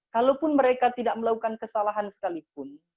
kalaupun mereka tidak melakukan kesalahan sekalipun